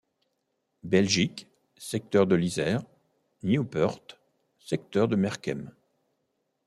Belgique, secteur de l'Yser, Nieuport, secteur de Merkem.